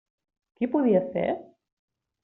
Qui podia ser?